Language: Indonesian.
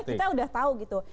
kita udah tahu gitu